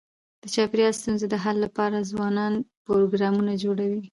د چاپېریال ستونزو د حل لپاره ځوانان پروګرامونه جوړوي.